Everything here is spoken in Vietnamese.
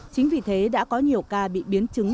chính vì thế đã có nhiều ca bị biến chứng